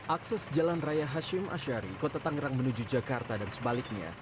akses jalan raya hashim ashari kota tangerang menuju jakarta dan sebaliknya